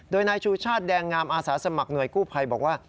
โดยนายชูชาติแดงงามอาสาสมัครหน่วยกู้ภัยบอกว่า